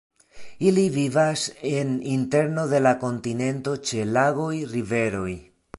Ili vivas en interno de la kontinento ĉe lagoj, riveroj.